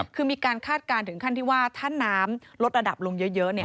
คือมีการคาดการณ์ถึงขั้นที่ว่าถ้าน้ำลดระดับลงเยอะ